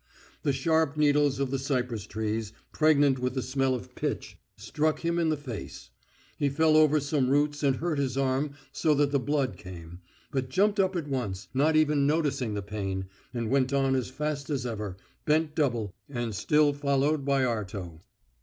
The sharp needles of the cypress trees, pregnant with the smell of pitch, struck him in the face. He fell over some roots and hurt his arm so that the blood came, but jumped up at once, not even noticing the pain, and went on as fast as ever, bent double, and still followed by Arto.